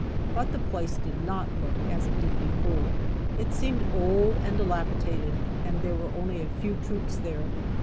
But the place did not look as it did before. It seemed old and dilapidated and there were only a few troops there.